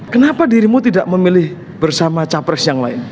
kenapa dirimu tidak memilih bersama capres yang lain